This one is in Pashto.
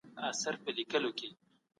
که ګاونډی وږی وي او ته موړ يې دا سمه نه ده.